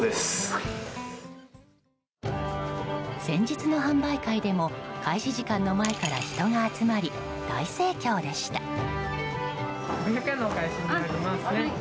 先日の販売会でも開始時間の前から人が集まり大盛況でした。